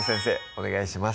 お願いします